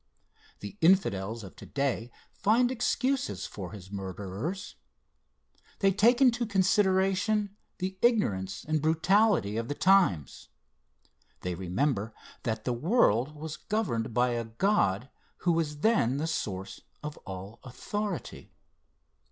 The Infidels of to day find excuses for his murderers. They take into consideration the ignorance and brutality of the times. They remember that the world was governed by a God who was then the source of all authority.